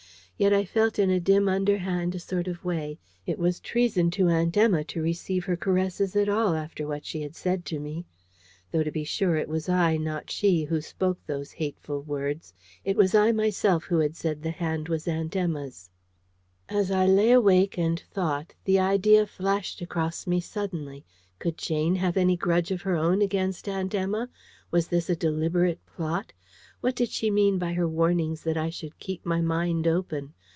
Yet I felt in a dim underhand sort of way it was treason to Aunt Emma to receive her caresses at all after what she had said to me. Though to be sure, it was I, not she, who spoke those hateful words. It was I myself who had said the hand was Aunt Emma's. As I lay awake and thought, the idea flashed across me suddenly, could Jane have any grudge of her own against Aunt Emma? Was this a deliberate plot? What did she mean by her warnings that I should keep my mind open?